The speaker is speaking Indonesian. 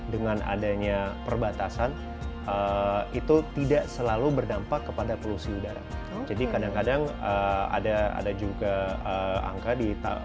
dengan adanya perbatasan itu tidak selalu berdampak kepada polusi udara jadi kadang kadang ada ada juga angka di